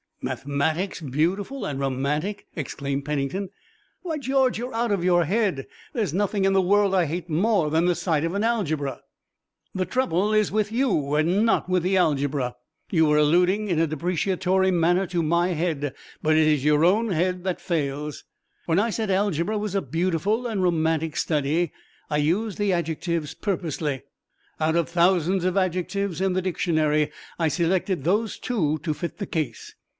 "Mathematics beautiful and romantic!" exclaimed Pennington. "Why, George, you're out of your head! There's nothing in the world I hate more than the sight of an algebra!" "The trouble is with you and not with the algebra. You were alluding in a depreciatory manner to my head but it's your own head that fails. When I said algebra was a beautiful and romantic study I used the adjectives purposely. Out of thousands of adjectives in the dictionary I selected those two to fit the case.